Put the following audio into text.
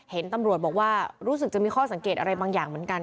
เห็นตำรวจบอกว่ารู้สึกจะมีข้อสังเกตอะไรบางอย่างเหมือนกัน